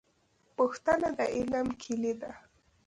پوښتنه د علم کیلي ده